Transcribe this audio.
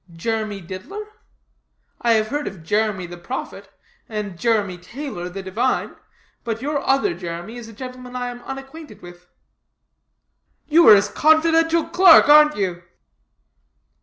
"Jeremy Diddler? I have heard of Jeremy the prophet, and Jeremy Taylor the divine, but your other Jeremy is a gentleman I am unacquainted with." "You are his confidential clerk, ain't you?"